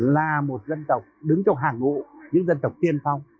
là một dân tộc đứng trong hàng ngụ những dân tộc tiên phong